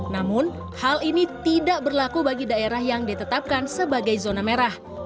namun hal ini tidak berlaku bagi daerah yang ditetapkan sebagai zona merah